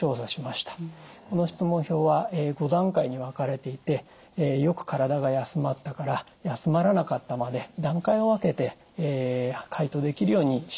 この質問票は５段階に分かれていて「よく体が休まった」から「休まらなかった」まで段階を分けて回答できるようにしております。